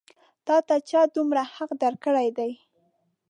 تا ته چا دومره حق درکړی دی؟